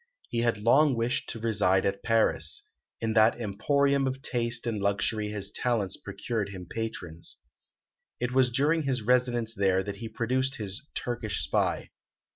He had long wished to reside at Paris; in that emporium of taste and luxury his talents procured him patrons. It was during his residence there that he produced his "Turkish Spy."